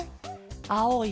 あおい